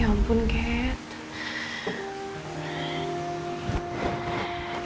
ya ampun kate